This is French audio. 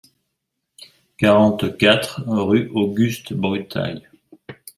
quarante-quatre rue Auguste Brutails